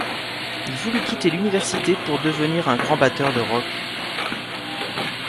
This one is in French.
Il voulut quitter l'université pour devenir un grand batteur de rock.